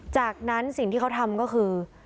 จากนั้นสิ่งที่เขาทำก็คือ